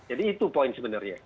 jadi itu poin sebenarnya